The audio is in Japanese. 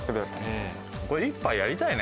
これ、一杯やりたいね。